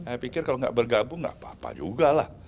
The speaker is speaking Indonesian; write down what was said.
saya pikir kalau nggak bergabung gak apa apa juga lah